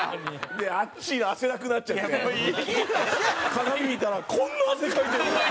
鏡見たら「こんな汗かいてるんだ！」。